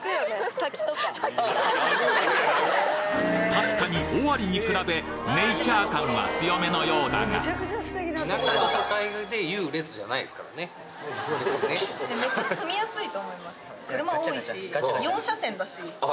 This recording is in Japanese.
確かに尾張に比べネイチャー感は強めのようだがああ。